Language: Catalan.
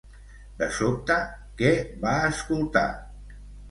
De sobte, què va escoltar?